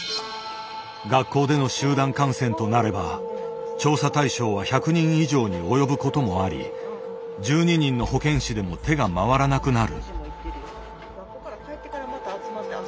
学校での集団感染となれば調査対象は１００人以上に及ぶこともあり１２人の保健師でも手が回らなくなる。